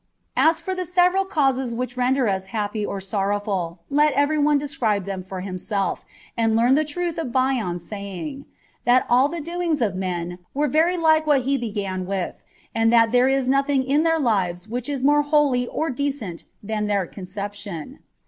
As for the several causes which render us happy or sorrowful, let every one describe them for himself, and learn the truth of Bion's saying, "That all the doings of men were very like what he began with, and that there is nothing in their lives which is more holy or decent than their conception."